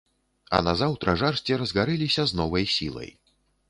А назаўтра жарсці разгарэліся з новай сілай.